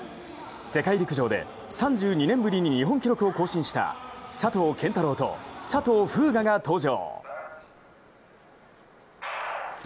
世界陸上で３２年ぶりに日本記録を更新した佐藤拳太郎と佐藤風雅が登場。